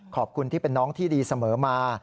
ขอบคุณที่เป็นน้องที่ดีเสมอมา